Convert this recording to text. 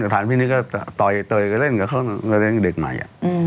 ฐานพิษนี้ก็ต่อยต่อยก็เล่นกับเขาก็เล่นกับเด็กใหม่อ่ะอืม